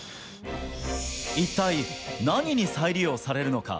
一体、何に再利用されるのか。